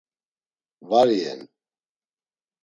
Var iyen.